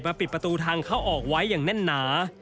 ปิดประตูทางเข้าออกไว้อย่างแน่นหนา